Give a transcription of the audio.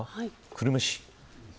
久留米市。